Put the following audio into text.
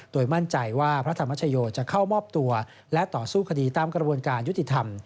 โดยมั่นใจว่าพระธรรมชโยจะเข้ามอบตัวและต่อสู้คดีตามกระบวนการยุติธรรม